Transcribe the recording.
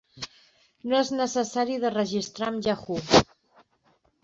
No és necessari de registrar amb Yahoo!